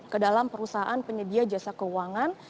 ke dalam perusahaan penyedia jasa keuangan